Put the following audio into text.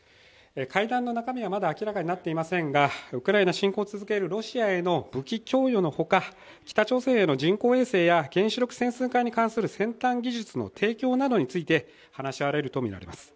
階段の中身はまだ明らかになっていませんが、ウクライナ侵攻を続けるロシアへの武器供与のほか、北朝鮮への人工衛星や原子力潜水艦に関する先端技術の提供などについて話し合われるとみられます。